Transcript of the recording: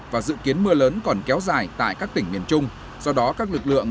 và dự kiến mưa lớn còn kéo dài tại các tỉnh miền trung do đó các lực lượng